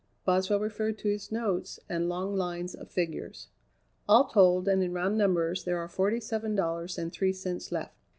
Boswell referred to his notes and long lines of figures. "All told, and in round numbers, there are forty seven dollars and three cents left."